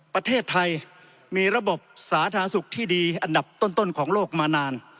ประเทศไทยมีระบบสาธารณสุขที่ดีอันดับต้นของโลกมานาน